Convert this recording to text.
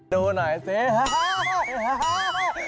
ดูหน่อยสิ